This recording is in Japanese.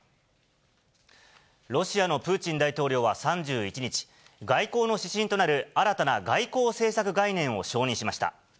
ロシアのプーチン大統領は３１日、外交の指針となる新たな外交政策概念を承認しました。